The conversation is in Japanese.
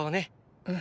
うん。